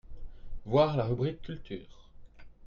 voir la rubrique culture.